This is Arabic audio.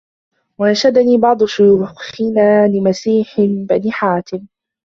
وَأَنْشَدَنِي بَعْضُ شُيُوخِنَا لِمَسِيحِ بْنِ حَاتِمٍ